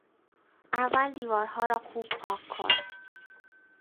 اول دیوارها را خوب پاک کن.